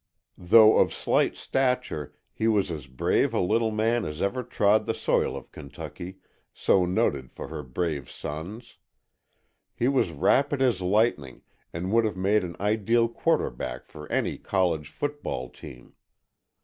Though of slight stature, he was as brave a little man as ever trod the soil of Kentucky, so noted for her brave sons. He was rapid as lightning, and would have made an ideal quarterback for any college football team.